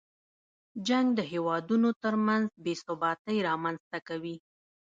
جنګ د هېوادونو تر منځ بې ثباتۍ رامنځته کوي.